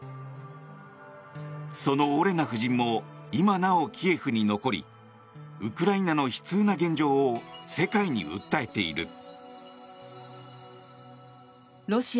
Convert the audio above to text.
そのオレナ夫人も今なおキエフに残りウクライナの悲痛な現状を世界に訴えている。